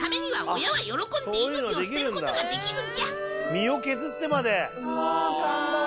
身を削ってまで。